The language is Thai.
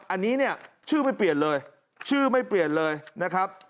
อันนี้เนี่ยชื่อไม่เปลี่ยนเลยชื่อไม่เปลี่ยนเลยนะครับ